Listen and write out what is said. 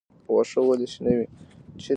واښه ولې شنه وي؟